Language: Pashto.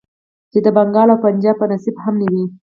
چې د بنګال او پنجاب په نصيب هم نه وې.